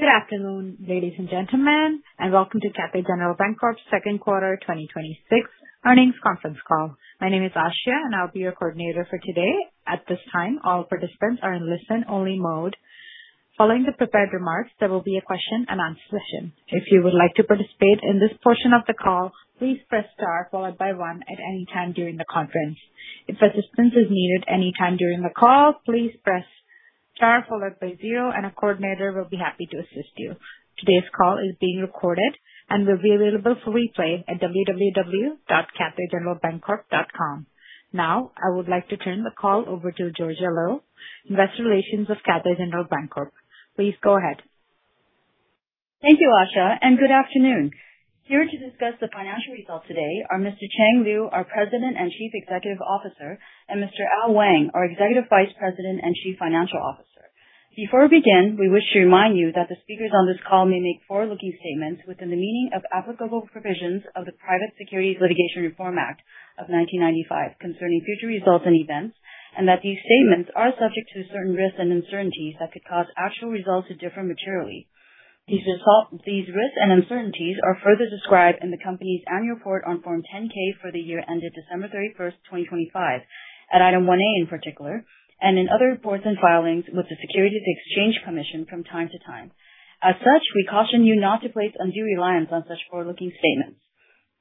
Good afternoon, ladies and gentlemen, and welcome to Cathay General Bancorp's second quarter 2026 earnings conference call. My name is Asha, and I'll be your coordinator for today. At this time, all participants are in listen-only mode. Following the prepared remarks, there will be a question-and-answer session. If you would like to participate in this portion of the call, please press star followed by one at any time during the conference. If assistance is needed any time during the call, please press star followed by zero, and a coordinator will be happy to assist you. Today's call is being recorded and will be available for replay at www.cathaygeneralbancorp.com. Now, I would like to turn the call over to Georgia Lo, Investor Relations of Cathay General Bancorp. Please go ahead. Thank you, Asha, and good afternoon. Here to discuss the financial results today are Mr. Chang Liu, our President and Chief Executive Officer, and Mr. Al Wang, our Executive Vice President and Chief Financial Officer. Before we begin, we wish to remind you that the speakers on this call may make forward-looking statements within the meaning of applicable provisions of the Private Securities Litigation Reform Act of 1995 concerning future results and events, and that these statements are subject to certain risks and uncertainties that could cause actual results to differ materially. These risks and uncertainties are further described in the company's annual report on Form 10-K for the year ended December 31st, 2025, at Item 1A in particular, and in other reports and filings with the Securities and Exchange Commission from time to time. We caution you not to place undue reliance on such forward-looking statements.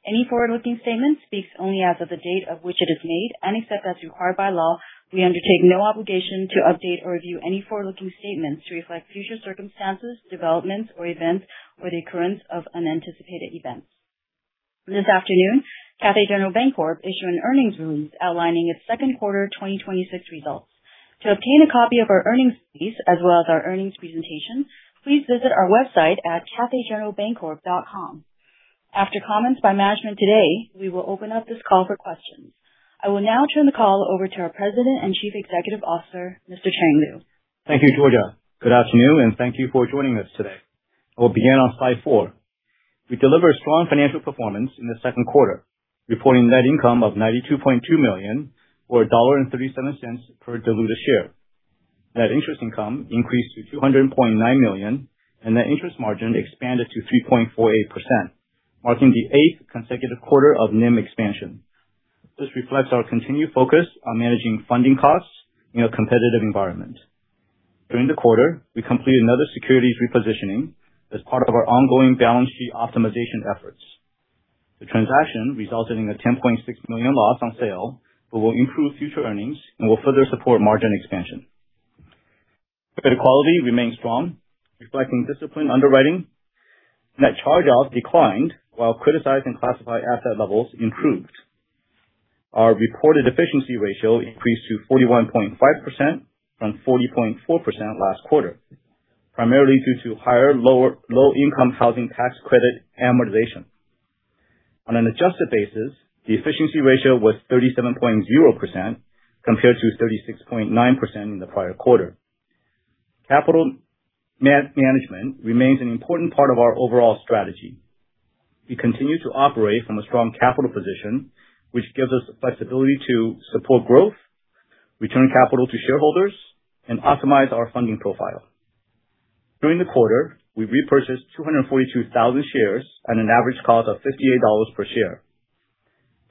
Any forward-looking statement speaks only as of the date of which it is made. Any step that's required by law, we undertake no obligation to update or review any forward-looking statements to reflect future circumstances, developments, or events or the occurrence of unanticipated events. This afternoon, Cathay General Bancorp issued an earnings release outlining its second quarter 2026 results. To obtain a copy of our earnings release as well as our earnings presentation, please visit our website at cathaygeneralbancorp.com. After comments by management today, we will open up this call for questions. I will now turn the call over to our President and Chief Executive Officer, Mr. Chang Liu. Thank you, Georgia. Good afternoon, and thank you for joining us today. I will begin on slide four. We delivered strong financial performance in the second quarter, reporting net income of $92.2 million or $1.37 per diluted share. Net interest income increased to $200.9 million and net interest margin expanded to 3.48%, marking the eighth consecutive quarter of NIM expansion. This reflects our continued focus on managing funding costs in a competitive environment. During the quarter, we completed another securities repositioning as part of our ongoing balance sheet optimization efforts. The transaction resulted in a $10.6 million loss on sale but will improve future earnings and will further support margin expansion. Credit quality remains strong, reflecting disciplined underwriting. Net charge-offs declined while criticized and classified asset levels improved. Our reported efficiency ratio increased to 41.5% from 40.4% last quarter, primarily due to higher low-income housing tax credit amortization. On an adjusted basis, the efficiency ratio was 37.0% compared to 36.9% in the prior quarter. Capital management remains an important part of our overall strategy. We continue to operate from a strong capital position, which gives us the flexibility to support growth, return capital to shareholders, and optimize our funding profile. During the quarter, we repurchased 242,000 shares at an average cost of $58 per share.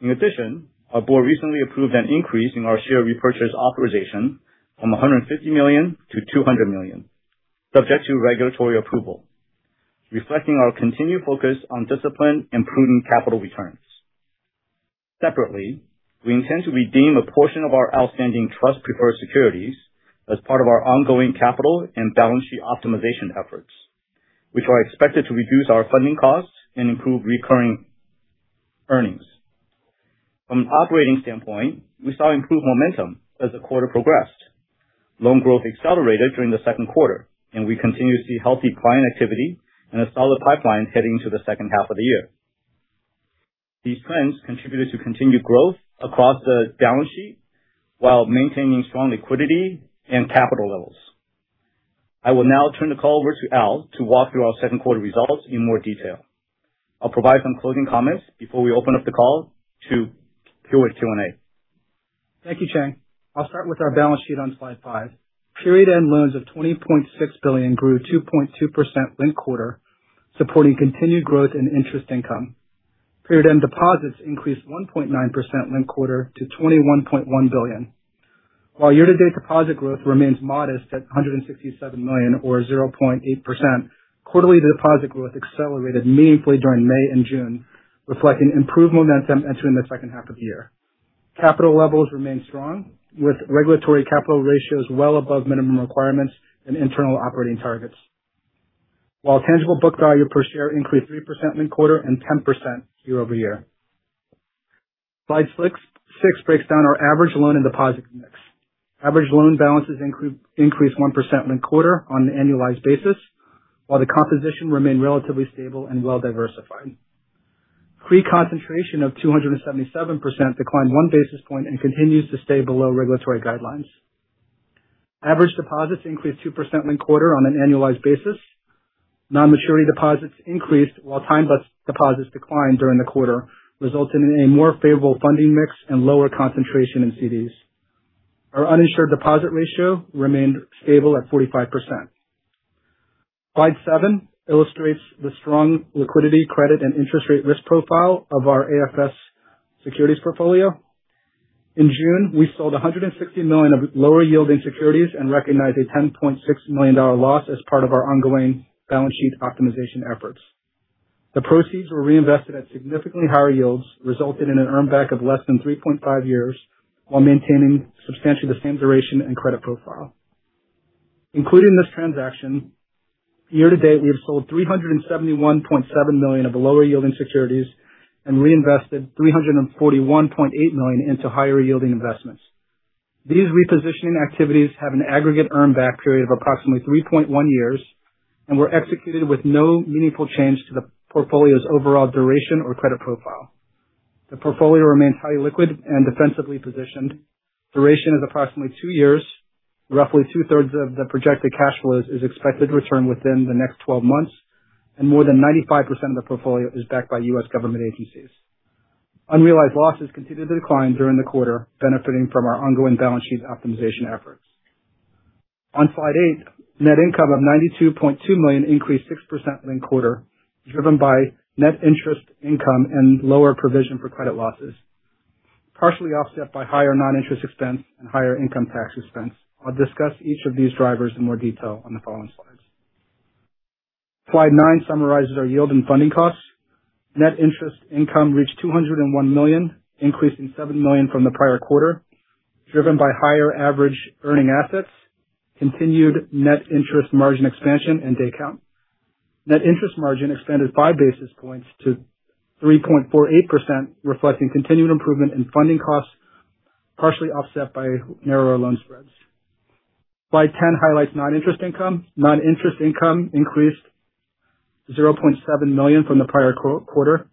In addition, our board recently approved an increase in our share repurchase authorization from $150 million to $200 million, subject to regulatory approval, reflecting our continued focus on disciplined and prudent capital returns. Separately, we intend to redeem a portion of our outstanding trust-preferred securities as part of our ongoing capital and balance sheet optimization efforts, which are expected to reduce our funding costs and improve recurring earnings. From an operating standpoint, we saw improved momentum as the quarter progressed. Loan growth accelerated during the second quarter, and we continue to see healthy client activity and a solid pipeline heading into the second half of the year. These trends contributed to continued growth across the balance sheet while maintaining strong liquidity and capital levels. I will now turn the call over to Al to walk through our second quarter results in more detail. I'll provide some closing comments before we open up the call to Q&A. Thank you, Chang. I'll start with our balance sheet on slide five. Period-end loans of $20.6 billion grew 2.2% linked quarter, supporting continued growth in interest income. Period-end deposits increased 1.9% linked quarter to $21.1 billion. While year-to-date deposit growth remains modest at $167 million or 0.8%, quarterly deposit growth accelerated meaningfully during May and June, reflecting improved momentum entering the second half of the year. Capital levels remain strong, with regulatory capital ratios well above minimum requirements and internal operating targets. While tangible book value per share increased 3% linked quarter and 10% year-over-year. Slide six breaks down our average loan and deposit mix. Average loan balances increased 1% linked quarter on an annualized basis, while the composition remained relatively stable and well-diversified. CRE concentration of 277% declined one basis point and continues to stay below regulatory guidelines. Average deposits increased 2% linked quarter on an annualized basis. Non-maturity deposits increased while time deposits declined during the quarter, resulting in a more favorable funding mix and lower concentration in CDs. Our uninsured deposit ratio remained stable at 45%. Slide seven illustrates the strong liquidity, credit, and interest rate risk profile of our AFS securities portfolio. In June, we sold $160 million of lower yielding securities and recognized a $10.6 million loss as part of our ongoing balance sheet optimization efforts. The proceeds were reinvested at significantly higher yields, resulting in an earn back of less than 3.5 years while maintaining substantially the same duration and credit profile. Including this transaction, year-to-date, we have sold $371.7 million of lower yielding securities and reinvested $341.8 million into higher yielding investments. These repositioning activities have an aggregate earn back period of approximately 3.1 years and were executed with no meaningful change to the portfolio's overall duration or credit profile. The portfolio remains highly liquid and defensively positioned. Duration is approximately two years. Roughly two-thirds of the projected cash flow is expected to return within the next 12 months, and more than 95% of the portfolio is backed by U.S. government agencies. Unrealized losses continued to decline during the quarter, benefiting from our ongoing balance sheet optimization efforts. On slide eight, net income of $92.2 million increased 6% linked quarter, driven by net interest income and lower provision for credit losses, partially offset by higher non-interest expense and higher income tax expense. I'll discuss each of these drivers in more detail on the following slides. Slide nine summarizes our yield and funding costs. Net interest income reached $201 million, increasing $7 million from the prior quarter, driven by higher average earning assets, continued net interest margin expansion, and day count. Net interest margin expanded five basis points to 3.48%, reflecting continued improvement in funding costs, partially offset by narrower loan spreads. Slide 10 highlights non-interest income. Non-interest income increased $0.7 million from the prior quarter.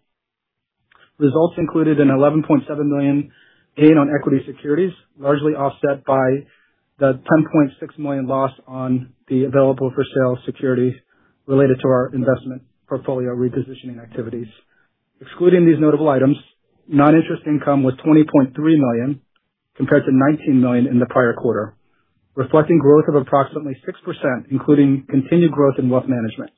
Results included an $11.7 million gain on equity securities, largely offset by the $10.6 million loss on the available for sale securities related to our investment portfolio repositioning activities. Excluding these notable items, non-interest income was $20.3 million compared to $19 million in the prior quarter, reflecting growth of approximately 6%, including continued growth in wealth management.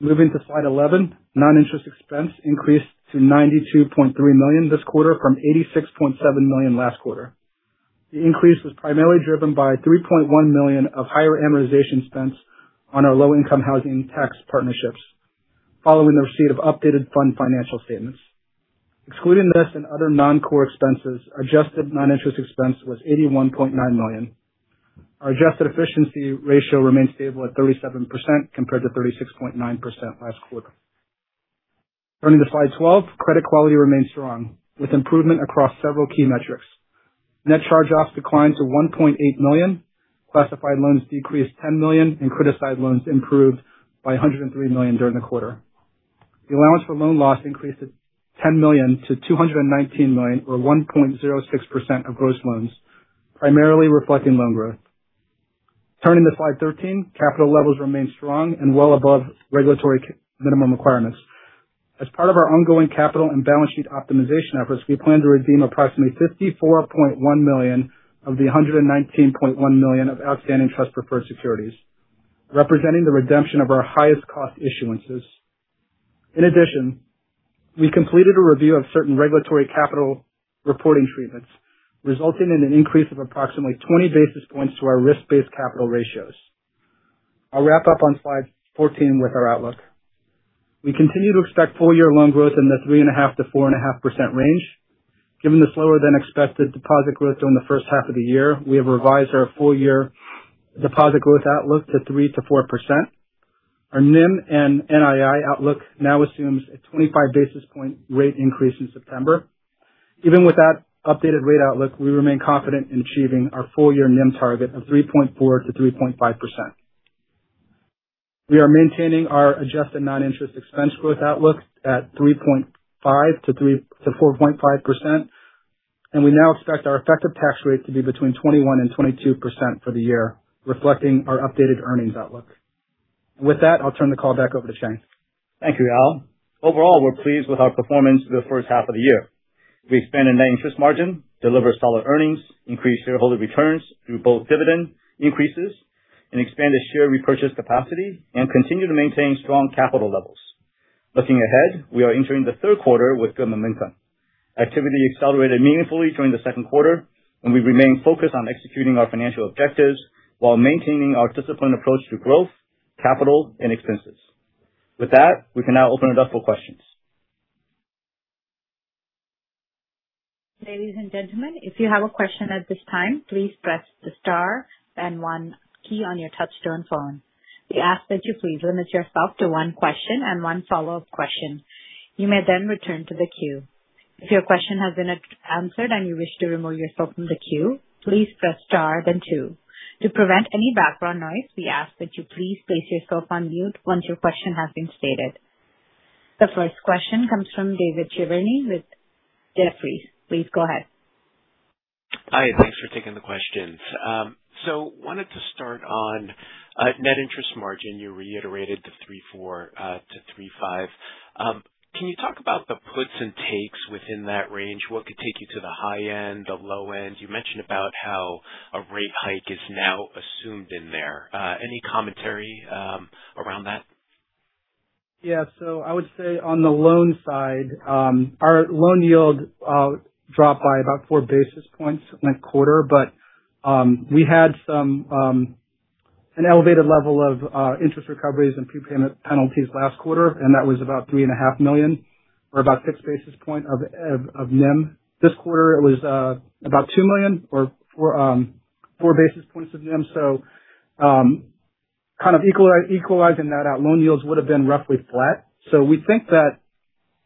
Moving to slide 11, non-interest expense increased to $92.3 million this quarter from $86.7 million last quarter. The increase was primarily driven by $3.1 million of higher amortization expense on our low-income housing tax partnerships following the receipt of updated fund financial statements. Excluding this and other non-core expenses, adjusted non-interest expense was $81.9 million. Our adjusted efficiency ratio remains stable at 37% compared to 36.9% last quarter. Turning to slide 12, credit quality remains strong, with improvement across several key metrics. Net charge-offs declined to $1.8 million. Classified loans decreased $10 million, and criticized loans improved by $103 million during the quarter. The allowance for loan loss increased at $10 million to $219 million or 1.06% of gross loans, primarily reflecting loan growth. Turning to slide 13, capital levels remain strong and well above regulatory minimum requirements. As part of our ongoing capital and balance sheet optimization efforts, we plan to redeem approximately $54.1 million of the $119.1 million of outstanding trust preferred securities, representing the redemption of our highest cost issuances. In addition, we completed a review of certain regulatory capital reporting treatments, resulting in an increase of approximately 20 basis points to our risk-based capital ratios. I'll wrap up on slide 14 with our outlook. We continue to expect full-year loan growth in the 3.5%-4.5% range. Given the slower than expected deposit growth during the first half of the year, we have revised our full year deposit growth outlook to 3%-4%. Our NIM and NII outlook now assumes a 25 basis point rate increase in September. Even with that updated rate outlook, we remain confident in achieving our full year NIM target of 3.4%-3.5%. We are maintaining our adjusted non-interest expense growth outlook at 3.5%-4.5%, and we now expect our effective tax rate to be between 21% and 22% for the year, reflecting our updated earnings outlook. With that, I'll turn the call back over to Chang. Thank you, Al. Overall, we're pleased with our performance for the first half of the year. We expanded net interest margin, delivered solid earnings, increased shareholder returns through both dividend increases and expanded share repurchase capacity, and continue to maintain strong capital levels. Looking ahead, we are entering the third quarter with good momentum. Activity accelerated meaningfully during the second quarter, and we remain focused on executing our financial objectives while maintaining our disciplined approach to growth, capital, and expenses. With that, we can now open it up for questions. Ladies and gentlemen, if you have a question at this time, please press the star then one key on your touchtone phone. We ask that you please limit yourself to one question and one follow-up question. You may then return to the queue. If your question has been answered and you wish to remove yourself from the queue, please press star then two. To prevent any background noise, we ask that you please place yourself on mute once your question has been stated. The first question comes from David Chiaverini with Jefferies. Please go ahead. Hi, thanks for taking the questions. Wanted to start on net interest margin. You reiterated the 3.4%-3.5%. Can you talk about the puts and takes within that range? What could take you to the high end, the low end? You mentioned about how a rate hike is now assumed in there. Any commentary around that? Yeah. I would say on the loan side, our loan yield dropped by about 4 basis points last quarter. We had an elevated level of interest recoveries and prepayment penalties last quarter, and that was about three and a half million or about 6 basis points of NIM. This quarter, it was about $2 million or 4 basis points of NIM. Kind of equalizing that out, loan yields would have been roughly flat.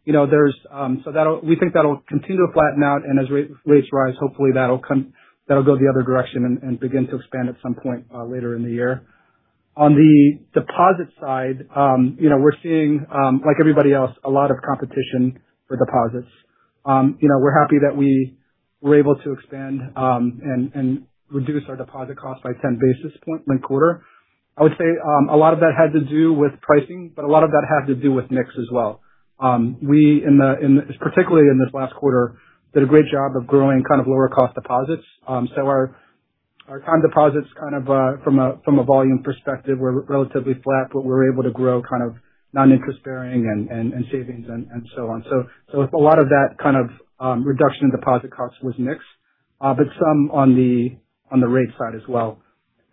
We think that'll continue to flatten out and as rates rise, hopefully that'll go the other direction and begin to expand at some point later in the year. On the deposit side, we're seeing, like everybody else, a lot of competition for deposits. We're happy that we were able to expand and reduce our deposit cost by 10 basis points last quarter. I would say a lot of that had to do with pricing, a lot of that had to do with mix as well. We, particularly in this last quarter, did a great job of growing kind of lower cost deposits. Our time deposits kind of from a volume perspective, were relatively flat, but we were able to grow kind of non-interest bearing and savings and so on. A lot of that kind of reduction in deposit costs was mix, but some on the rate side as well.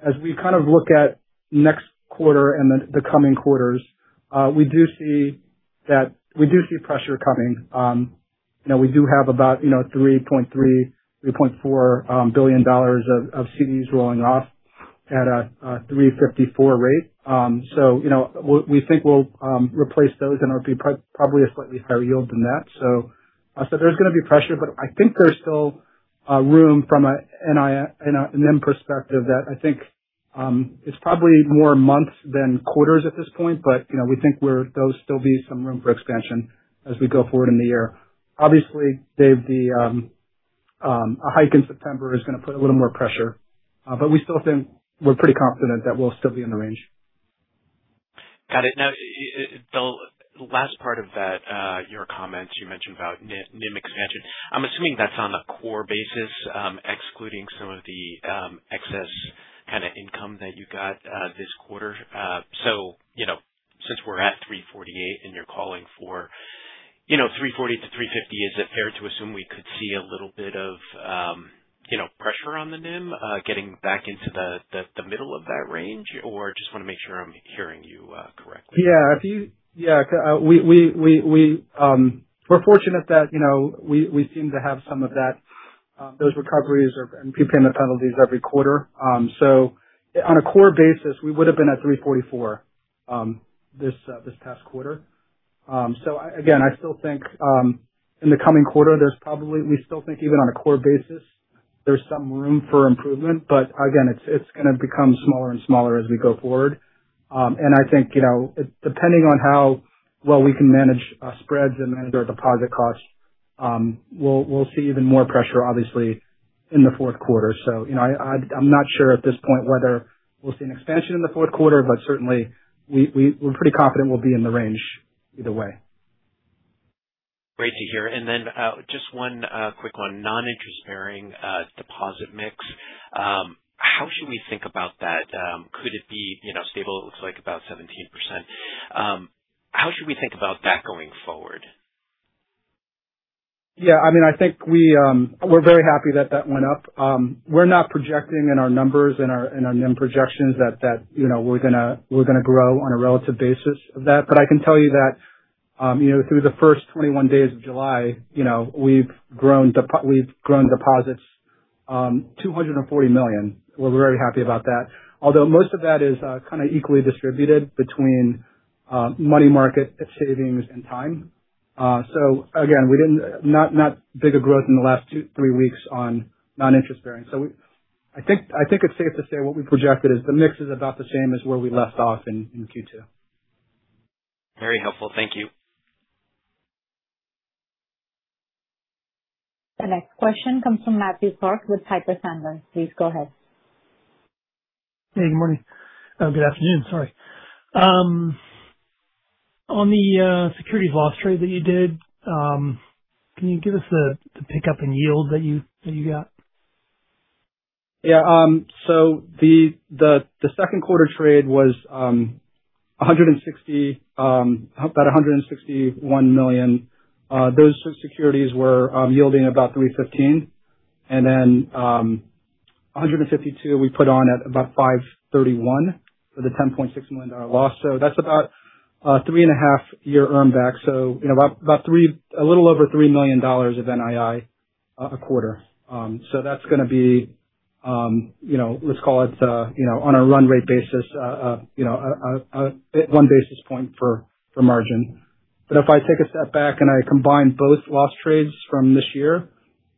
As we kind of look at next quarter and then the coming quarters, we do see pressure coming. We do have about $3.3 billion-$3.4 billion of CDs rolling off at a 3.54% rate. We think we'll replace those and it'll be probably a slightly higher yield than that. There's going to be pressure, I think there's still room from an NIM perspective that I think it's probably more months than quarters at this point. We think there'll still be some room for expansion as we go forward in the year. Obviously, Dave, a hike in September is going to put a little more pressure, but we still think we're pretty confident that we'll still be in the range. Got it. Al, last part of your comments, you mentioned about NIM expansion. I'm assuming that's on a core basis excluding some of the excess kind of income that you got this quarter. Since we're at 3.48 and you're calling for 3.40-3.50, is it fair to assume we could see a little bit of pressure on the NIM getting back into the middle of that range? Just want to make sure I'm hearing you correctly. We're fortunate that we seem to have some of those recoveries and prepayment penalties every quarter. On a core basis, we would have been at 3.44% this past quarter. Again, I still think in the coming quarter, we still think even on a core basis, there's some room for improvement. Again, it's going to become smaller and smaller as we go forward. I think, depending on how well we can manage spreads and manage our deposit costs, we'll see even more pressure, obviously, in the fourth quarter. I'm not sure at this point whether we'll see an expansion in the fourth quarter, but certainly we're pretty confident we'll be in the range either way. Great to hear. Just one quick one. Non-interest bearing deposit mix. How should we think about that? Could it be stable? It looks like about 17%. How should we think about that going forward? Yeah, I think we're very happy that that went up. We're not projecting in our numbers and our NIM projections that we're going to grow on a relative basis of that. I can tell you that through the first 21 days of July, we've grown deposits $240 million. We're very happy about that. Although most of that is kind of equally distributed between money market, savings, and time. Again, not bigger growth in the last two, three weeks on non-interest bearing. I think it's safe to say what we projected is the mix is about the same as where we left off in Q2. Very helpful. Thank you. The next question comes from Matthew Clark with Piper Sandler. Please go ahead. Hey, good morning. Good afternoon, sorry. On the securities loss trade that you did, can you give us the pickup in yield that you got? Yeah. The second quarter trade was about $161 million. Those securities were yielding about 3.15%, then 152 we put on at about 5.31% for the $10.6 million loss. That's about a three-and-a-half year earn back. A little over $3 million of NII a quarter. That's going to be, let's call it on a run rate basis, one basis point for margin. If I take a step back and I combine both loss trades from this year,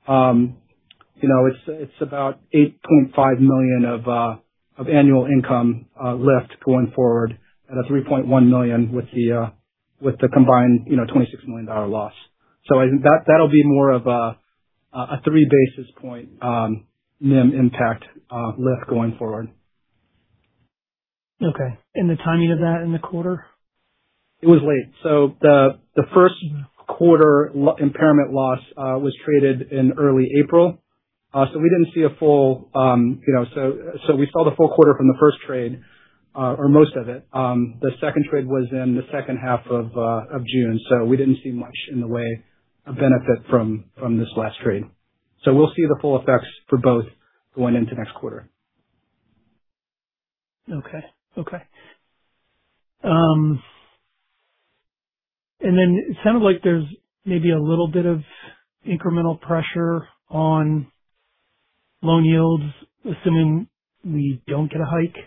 it's about $8.5 million of annual income lift going forward and $3.1 million with the combined $26 million loss. I think that'll be more of a three basis point NIM impact lift going forward. Okay. The timing of that in the quarter? It was late. The first quarter impairment loss was traded in early April. We saw the full quarter from the first trade, or most of it. The second trade was in the second half of June. We didn't see much in the way of benefit from this last trade. We'll see the full effects for both going into next quarter. Okay. It sounded like there's maybe a little bit of incremental pressure on loan yields, assuming we don't get a hike.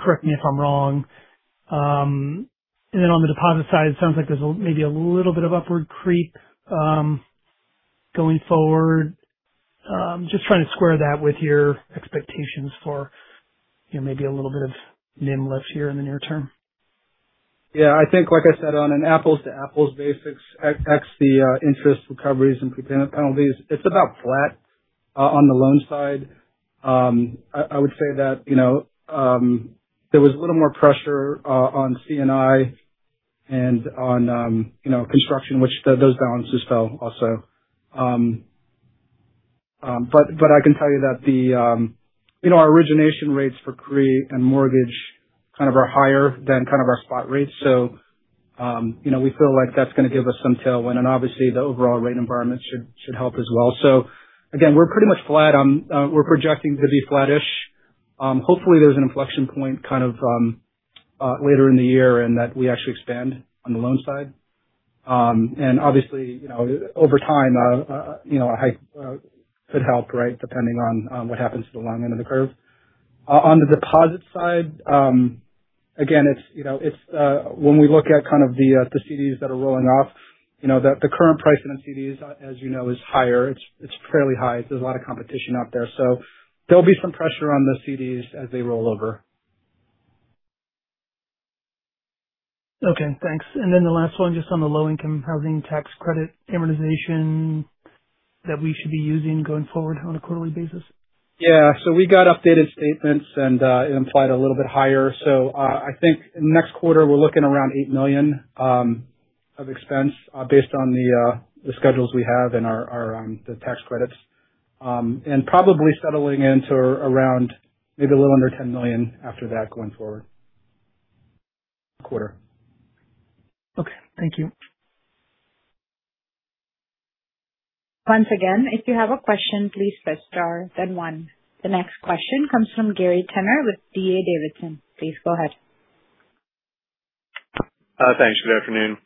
Correct me if I'm wrong. On the deposit side, it sounds like there's maybe a little bit of upward creep going forward. Just trying to square that with your expectations for maybe a little bit of NIM lift here in the near term. Yeah, I think, like I said, on an apples-to-apples basis, ex the interest recoveries and prepayment penalties, it's about flat on the loan side. I would say that there was a little more pressure on C&I and on construction, which those balances fell also. I can tell you that our origination rates for CRE and mortgage are higher than our spot rates. We feel like that's going to give us some tailwind, and obviously the overall rate environment should help as well. Again, we're projecting to be flattish. Hopefully, there's an inflection point later in the year and that we actually expand on the loan side. Obviously, over time, a hike could help, right? Depending on what happens to the long end of the curve. On the deposit side, again, when we look at the CDs that are rolling off, the current pricing on CDs, as you know, is higher. It's fairly high. There's a lot of competition out there. There'll be some pressure on the CDs as they roll over. Okay, thanks. The last one, just on the Low-Income Housing Tax Credit amortization that we should be using going forward on a quarterly basis. Yeah. We got updated statements, and it implied a little bit higher. I think next quarter we're looking around $8 million of expense based on the schedules we have and the tax credits. Probably settling into around maybe a little under $10 million after that going forward quarter. Okay. Thank you. Once again, if you have a question, please press star then one. The next question comes from Gary Tenner with D.A. Davidson. Please go ahead. Thanks. Good afternoon.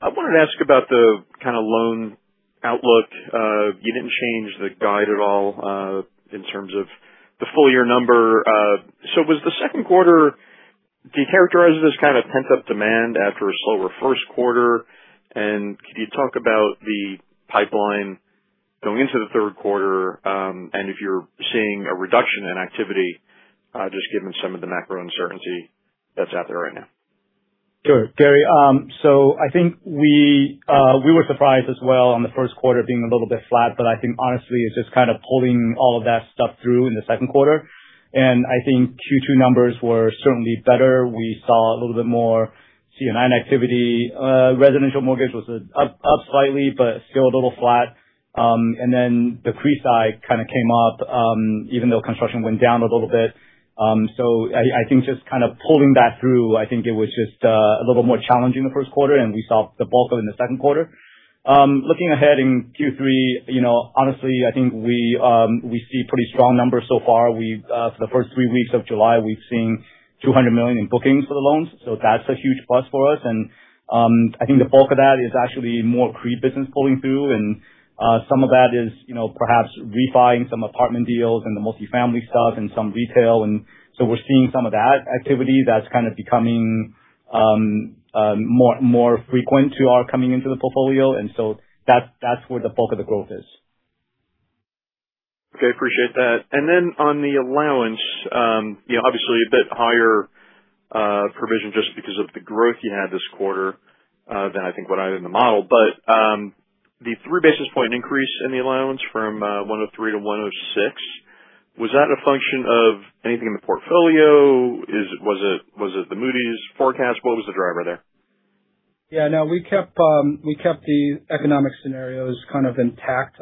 I wanted to ask about the kind of loan outlook. You didn't change the guide at all in terms of the full year number. Was the second quarter, do you characterize it as kind of pent-up demand after a slower first quarter? Could you talk about the pipeline going into the third quarter? If you're seeing a reduction in activity, just given some of the macro uncertainty that's out there right now. Sure. Gary, I think we were surprised as well on the first quarter being a little bit flat, but I think honestly it's just kind of pulling all of that stuff through in the second quarter. I think Q2 numbers were certainly better. We saw a little bit more C&I activity. Residential mortgage was up slightly but still a little flat. The CRE side kind of came up, even though construction went down a little bit. I think just kind of pulling that through, I think it was just a little more challenging the first quarter, and we saw the bulk of it in the second quarter. Looking ahead in Q3, honestly, I think we see pretty strong numbers so far. For the first three weeks of July, we've seen $200 million in bookings for the loans. That's a huge plus for us. I think the bulk of that is actually more CRE business pulling through. Some of that is perhaps refi-ing some apartment deals and the multifamily stuff and some retail. We're seeing some of that activity that's kind of becoming more frequent to our coming into the portfolio. That's where the bulk of the growth is. Okay. Appreciate that. On the allowance, obviously a bit higher provision just because of the growth you had this quarter than I think what I had in the model. The three basis point increase in the allowance from 103 to 106, was that a function of anything in the portfolio? Was it the Moody's forecast? What was the driver there? No. We kept the economic scenarios kind of intact.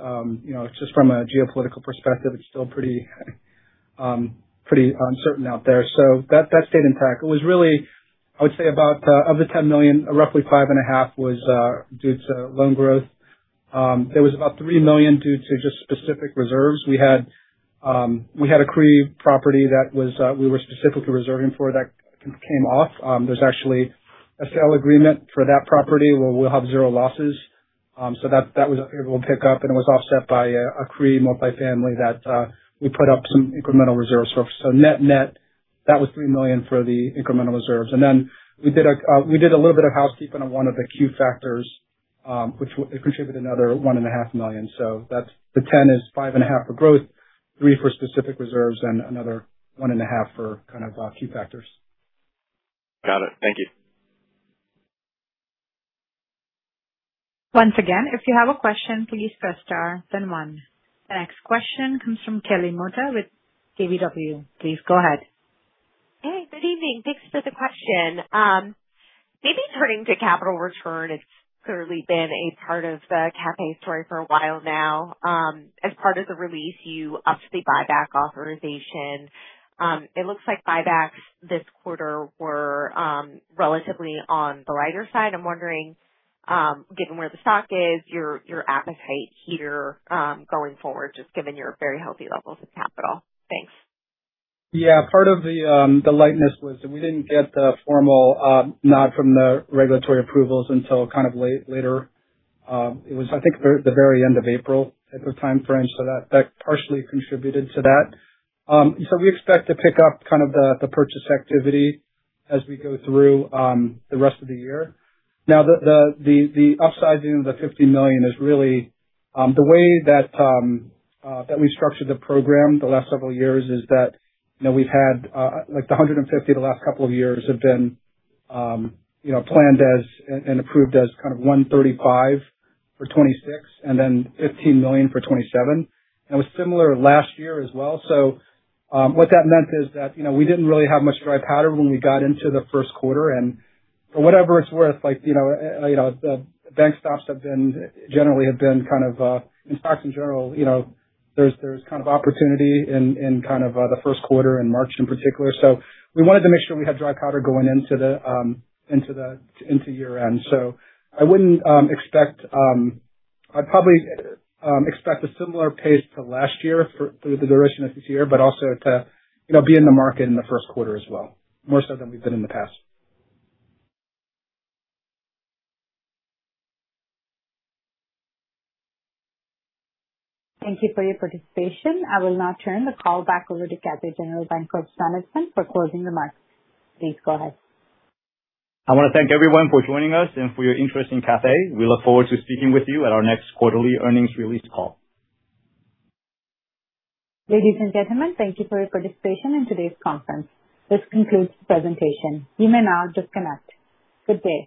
Just from a geopolitical perspective, it is still pretty uncertain out there. That stayed intact. It was really, I would say about, of the $10 million, roughly $5.5 million was due to loan growth. There was about $3 million due to just specific reserves. We had a CRE property that we were specifically reserving for that came off. There is actually a sale agreement for that property where we will have zero losses. That was a little pick-up, and it was offset by a CRE multifamily that we put up some incremental reserves for. Net-net, that was $3 million for the incremental reserves. And then we did a little bit of housekeeping on one of the Q factors. It contributed another $1.5 million. The $10 million is $5.5 million for growth, $3 million for specific reserves, and another $1.5 million for Q factors. Got it. Thank you. Once again, if you have a question, please press star then one. The next question comes from Kelly Motta with KBW. Please go ahead. Hey, good evening. Thanks for the question. Turning to capital return, it's clearly been a part of the Cathay story for a while now. As part of the release, you upped the buyback authorization. It looks like buybacks this quarter were relatively on the lighter side. I'm wondering, given where the stock is, your appetite here, going forward, just given your very healthy levels of capital. Thanks. Yeah, part of the lightness was that we didn't get the formal nod from the regulatory approvals until kind of later. It was, I think, the very end of April type of timeframe. That partially contributed to that. We expect to pick up the purchase activity as we go through the rest of the year. Now, the upsizing of the $50 million is really the way that we structured the program the last several years is that we've had, like, the $150 million the last couple of years have been planned as and approved as $135 million for 2026 and then $15 million for 2027. It was similar last year as well. What that meant is that we didn't really have much dry powder when we got into the first quarter. For whatever it's worth, the bank stocks generally have been kind of, and stocks in general, there's kind of opportunity in the first quarter, in March in particular. We wanted to make sure we had dry powder going into year-end. I'd probably expect a similar pace to last year through the duration of this year, but also to be in the market in the first quarter as well, more so than we've been in the past. Thank you for your participation. I will now turn the call back over to Cathay General Bancorp management for closing remarks. Please go ahead. I want to thank everyone for joining us and for your interest in Cathay. We look forward to speaking with you at our next quarterly earnings release call. Ladies and gentlemen, thank you for your participation in today's conference. This concludes the presentation. You may now disconnect. Good day.